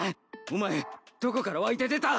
お前どこから湧いて出た？